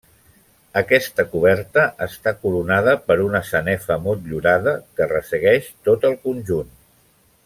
Aquesta coberta està coronada per una sanefa motllurada que ressegueix tot el conjunt.